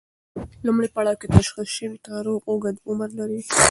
لومړی پړاو کې تشخیص شوی ناروغ اوږد عمر لري.